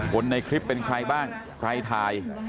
ในคลิปเป็นใครบ้างใครถ่าย